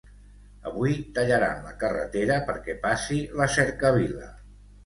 Avui tallaran la carretera perquè passi la cercavila